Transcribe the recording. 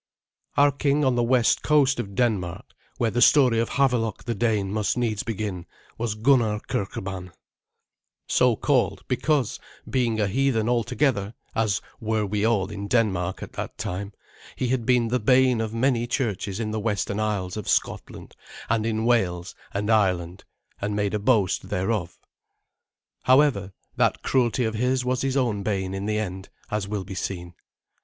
Our king on the west coast of Denmark, where the story of Havelok the Dane must needs begin, was Gunnar Kirkeban so called because, being a heathen altogether, as were we all in Denmark at that time, he had been the bane of many churches in the western isles of Scotland, and in Wales and Ireland, and made a boast thereof. However, that cruelty of his was his own bane in the end, as will be seen.